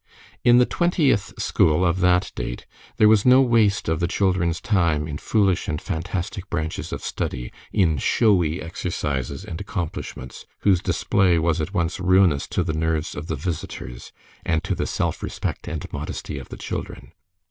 In the Twentieth school of that date there was no waste of the children's time in foolish and fantastic branches of study, in showy exercises and accomplishments, whose display was at once ruinous to the nerves of the visitors, and to the self respect and modesty of the children.